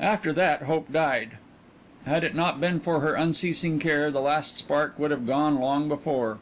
After that hope died. Had it not been for her unceasing care the last spark would have gone long before.